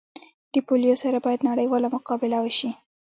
د پولیو سره باید نړیواله مقابله وسي